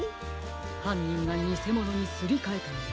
はんにんがにせものにすりかえたのです。